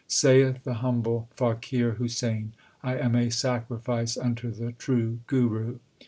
Saith the humble faqir Husain, I am a sacrifice unto the true Guru.